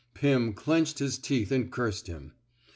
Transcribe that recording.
" Pim clenched his teeth and cursed him.